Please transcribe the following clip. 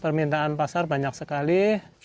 permintaan pasar banyak sekali